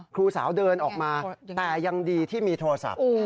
ครูสาวเดินออกมาแต่ยังดีที่มีโทรศัพท์